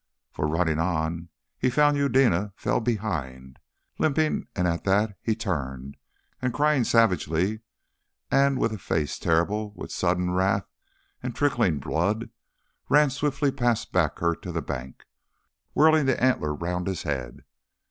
For running on, he found Eudena fell behind, limping, and at that he turned, and crying savagely and with a face terrible with sudden wrath and trickling blood, ran swiftly past her back to the bank, whirling the antler round his head.